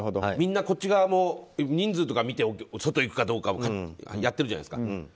こっちも人数とかみて外行くかどうかやってるじゃないですか。